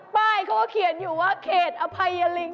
ป้ายเขาก็เขียนอยู่ว่าเขตอภัยลิง